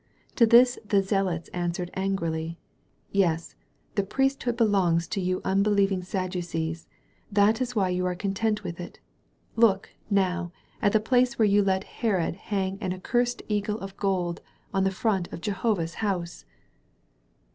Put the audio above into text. To this the Zealots answered angrily: "Yes, the priesthood be longs to you unbelieving Sadducees; that is why you are content with it. Look, now, at the place where you let Herod hang an accursed eagle of gold on the front of Jehovah's House."